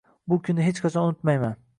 Bu kunni hech qachon unutmayman.